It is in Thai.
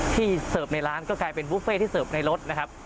เสิร์ฟในร้านก็กลายเป็นบุฟเฟ่ที่เสิร์ฟในรถนะครับ